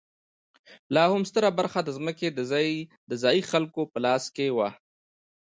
لا هم ستره برخه ځمکې د ځايي خلکو په لاس کې وه.